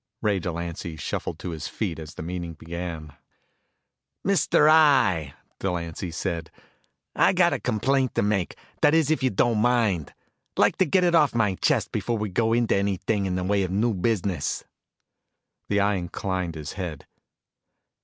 Ray Delancy shuffled to his feet as the meeting began. "Mr. Eye," Delancy said, "I got a complaint to make, that is if you don't mind. Like to get it off my chest before we go into anything in the way of new business." The Eye inclined his head.